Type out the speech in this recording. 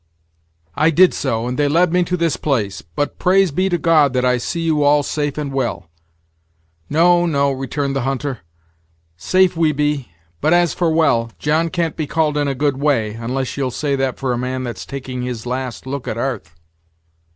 "I did so, and they led me to this place; but, praise be to God that I see you all safe and well." "No, no," returned the hunter; "safe we be, but as for well, John can't be called in a good way, unless you'll say that for a man that's taking his last look at 'arth."